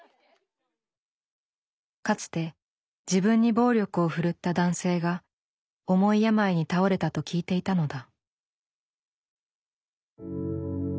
かつて自分に暴力を振るった男性が重い病に倒れたと聞いていたのだ。